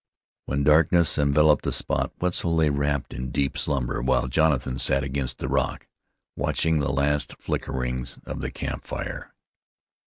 When darkness enveloped the spot Wetzel lay wrapped in deep slumber, while Jonathan sat against the rock, watching the last flickerings of the camp fire.